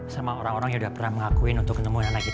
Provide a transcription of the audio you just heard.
sama orang orang yang udah pernah mengakuin untuk ketemu anak itu